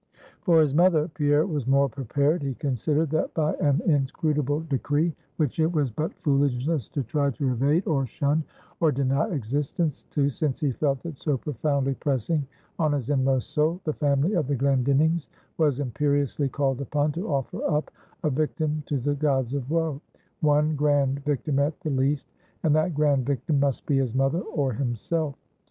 For his mother Pierre was more prepared. He considered that by an inscrutable decree, which it was but foolishness to try to evade, or shun, or deny existence to, since he felt it so profoundly pressing on his inmost soul; the family of the Glendinnings was imperiously called upon to offer up a victim to the gods of woe; one grand victim at the least; and that grand victim must be his mother, or himself.